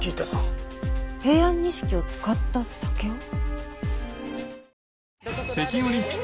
平安錦を使った酒を？